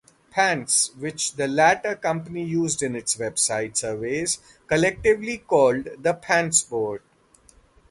Pants, which the latter company used in its website surveys collectively called "The Pantsboard".